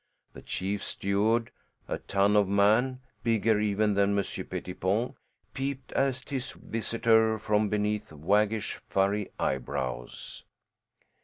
The chief steward, a tun of a man, bigger even than Monsieur Pettipon, peeped at his visitor from beneath waggish, furry eyebrows.